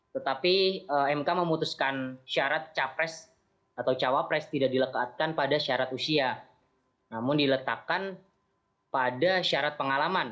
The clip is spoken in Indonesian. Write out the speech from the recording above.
tetapi mk memutuskan syarat capres atau cawapres tidak dilekatkan pada syarat usia namun diletakkan pada syarat pengalaman